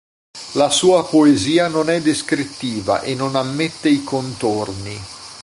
La sua poesia non è descrittiva e non ammette i contorni.